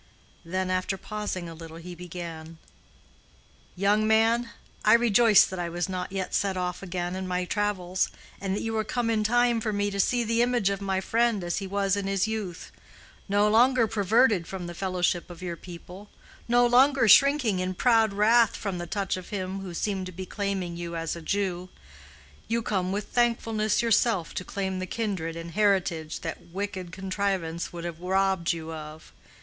Then after pausing a little he began, "Young man, I rejoice that I was not yet set off again on my travels, and that you are come in time for me to see the image of my friend as he was in his youth—no longer perverted from the fellowship of your people—no longer shrinking in proud wrath from the touch of him who seemed to be claiming you as a Jew. You come with thankfulness yourself to claim the kindred and heritage that wicked contrivance would have robbed you of.